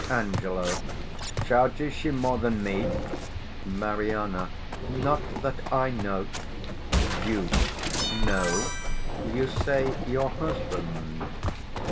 Ang. Charges she more than me? Mari. Not that I know. Duke. No? you say your husband.